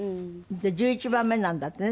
１１番目なんだってね？